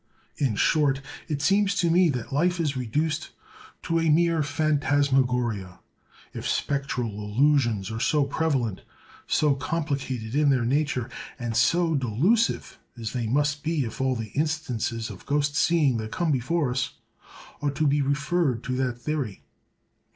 In short, it seems to me that life is reduced to a mere phantasmagoria, if spectral illusions are so prevalent, so complicated in their nature, and so delusive as they must be if all the instances of ghost seeing that come before us are to be referred to that theory.